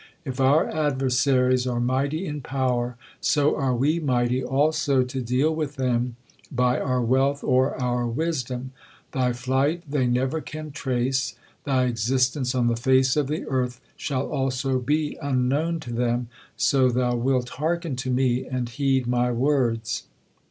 If our adversaries are mighty in power, so are we mighty also to deal with them by our wealth or our wisdom. Thy flight they never can trace, thy existence on the face of the earth shall also be unknown to them, so thou wilt hearken to me, and heed my words.'